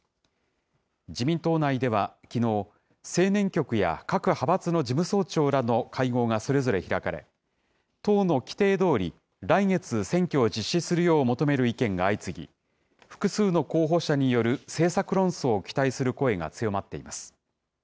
自民党内ではきのう、青年局や各派閥の事務総長らの会合がそれぞれ開かれ、党の規程どおり、来月、選挙を実施するよう求める意見が相次ぎ、複数の候補者による政策論争を期待する声が強まっています。